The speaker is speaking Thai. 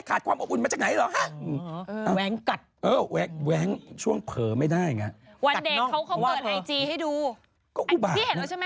ก็ไส้กอกเยอรมันก็เนี่ยเขาพูดอยู่เมื่อวานพี่หนุ่มก็พูด